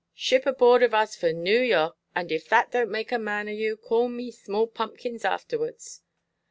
Ship aboard of us for Noo Yerk, and if that donʼt make a man of yoo, call me small pumpkins arterwards."